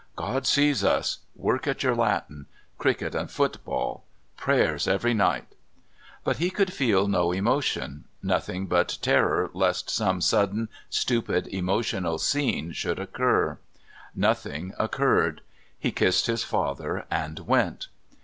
God sees us... Work at your Latin... cricket and football... prayers every night..." But he could feel no emotion nothing but terror lest some sudden stupid emotional scene should occur. Nothing occurred. He kissed his father and went.